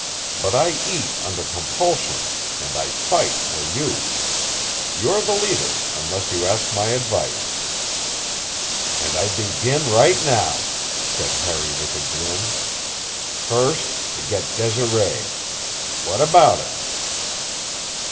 But I eat under compulsion, and I fight for you. You're the leader unless you ask my advice." "And I begin right now," said Harry with a grin. "First, to get Desiree. What about it?"